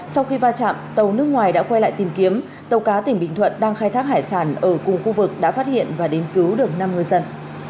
sau khi va chạm tàu nước ngoài đã quay lại tìm kiếm tàu cá tỉnh bình thuận đang khai thác hải sản ở cùng khu vực đã phát hiện và đến cứu được năm ngư dân